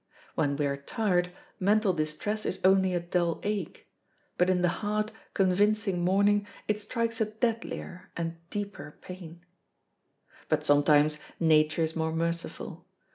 When we are tired, mental distress is only a dull ache, but in the hard, convincing morning it strikes a deadlier and deeper pain. But sometimes Nature is more merciful.